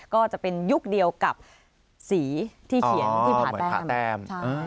ก็จะเป็นยุคเดียวกับสีที่เขียนที่ผ่าแต้ม